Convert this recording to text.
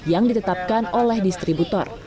yang ditetapkan oleh distributor